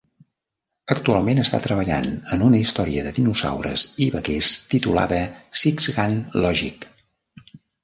Actualment està treballant en una història de dinosaures i vaquers titulada "Sixgun Logic".